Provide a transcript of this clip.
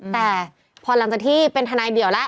แต่พอหลังจากที่เป็นทนายเดี่ยวแล้ว